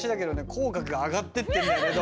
口角が上がってってるんだけど。